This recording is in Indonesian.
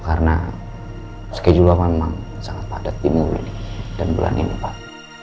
karena schedule nya memang sangat padat di muli dan bulan ini pak